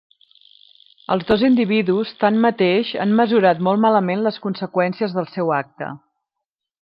Els dos individus tanmateix han mesurat molt malament les conseqüències del seu acte.